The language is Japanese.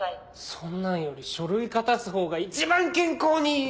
そんなんより書類片すほうが一番健康にいい！